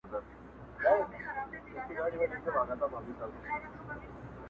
پوهېږم نه، يو داسې بله هم سته_